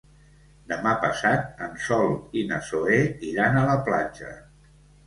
Demà passat en Sol i na Zoè iran a la platja.